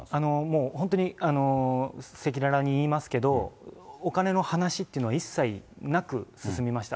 もう本当に、赤裸々に言いますけど、お金の話っていうのは、一切なく進みました。